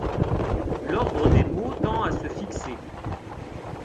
L'ordre des mots tend à se fixer.